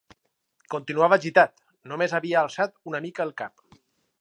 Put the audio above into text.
Continuava gitat, només havia alçat una mica el cap.